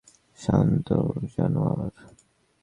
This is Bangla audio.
শান্ত হ জানোয়ার।